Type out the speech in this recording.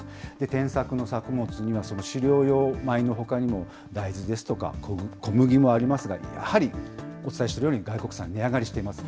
転作の作物には、その飼料用米のほかにも、大豆ですとか、小麦もありますが、やはりお伝えしているように、外国産、値上がりしてます。